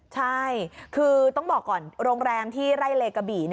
ใช่คือต้องบอกก่อนโรงแรมที่ไร่เลกะบี่